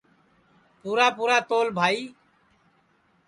پُورا پُورا تول بھائی